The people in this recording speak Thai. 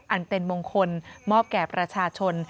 อันเป็นมงคลมอบแก่ประชาชน